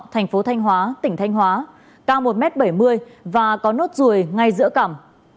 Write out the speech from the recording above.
thành phố thanh hóa tỉnh thanh hóa cao một m bảy mươi và có nốt ruồi ngay giữa cẳm